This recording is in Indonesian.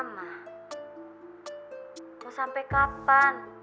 mau sampe kapan